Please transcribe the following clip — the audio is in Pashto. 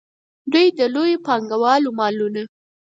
دوی د لویو پانګوالو مالونه.